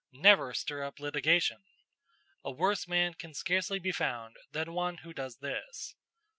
Never stir up litigation. A worse man can scarcely be found than one who does this.